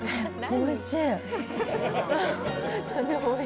おいしい。